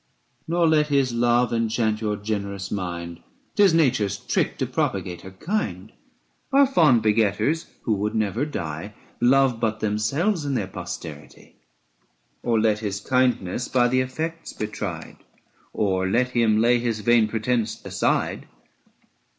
Nor let his love enchant your generous mind; 'Tis Nature's trick to propagate her kind. Our fond begetters, who would never die, 425 Love but themselves in their posterity. Or let his kindness by the effects be tried, Or let him lay his vain pretence aside.